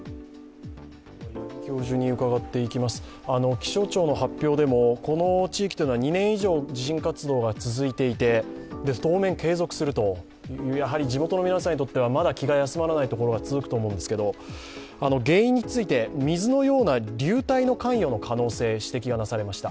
気象庁の発表でも、この地域は２年以上地震活動が続いていて当面、継続するという地元の皆さんにとってはまだ気の休まらない状況が続くと思うんですけれど原因について、水のような流体の関与の可能性、指摘されました。